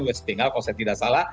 west tinggal kalau saya tidak salah